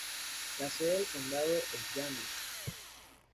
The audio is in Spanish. La sede del condado es Llano.